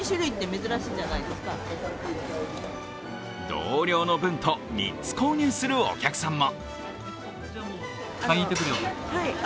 同僚の分と３つ購入するお客さんも。